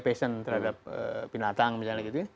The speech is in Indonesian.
passion terhadap binatang misalnya